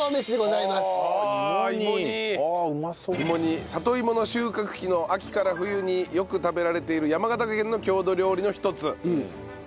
芋煮里芋の収穫期の秋から冬によく食べられている山形県の郷土料理の一つ。